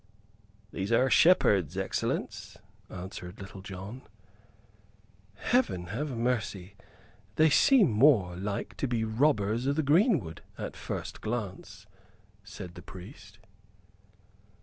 "These are shepherds, excellence," answered Little John. "Heaven have mercy! They seem more like to be robbers o' th' greenwood at first glance," said the priest.